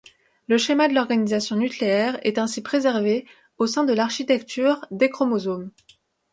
Le schéma de l’organisation nucléaire est ainsi préservé au sein de l’architecture des chromosomes.